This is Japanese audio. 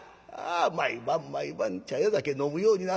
毎晩毎晩茶屋酒飲むようになる。